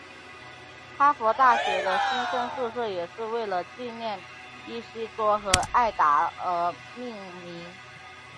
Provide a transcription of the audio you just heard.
哈佛大学的新生宿舍也是为了纪念伊西多和艾达而命名。